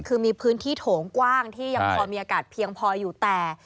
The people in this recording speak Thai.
คือมีพื้นที่โถงกว้างที่ยังพอมีอากาศเพียงพออยู่แต่